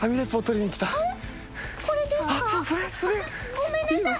ごめんなさい。